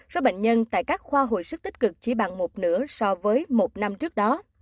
số bệnh nhân tại các khoa hồi sức tích cực chỉ bằng một nửa so với một năm trước đó